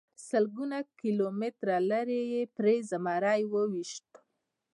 سلګونه کیلومتره لرې یې پرې زمری وويشت.